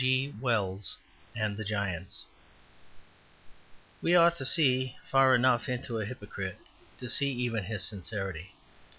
G. Wells and the Giants We ought to see far enough into a hypocrite to see even his sincerity.